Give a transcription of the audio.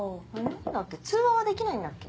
通話はできないんだっけ？